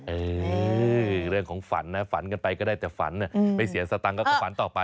เออเรื่องของฝันนะฝันกันไปก็ได้แต่ฝันไม่เสียสตังค์ก็ฝันต่อไป